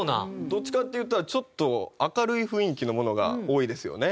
どっちかっていったらちょっと明るい雰囲気のものが多いですよね。